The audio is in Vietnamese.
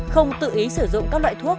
không tự ý sử dụng các loại thuốc